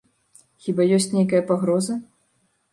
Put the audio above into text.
Хіба ёсць нейкая пагроза?